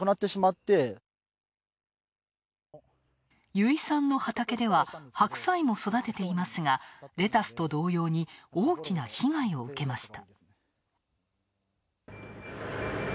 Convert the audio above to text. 由井さんの畑では白菜も育てていますが、レタスと同様に大きな被害を受けました。